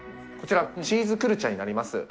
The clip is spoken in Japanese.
こちら、チーズクルチャになります。